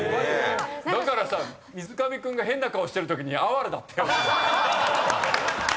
だからさ水上君が変な顔してるとき哀れだったよ。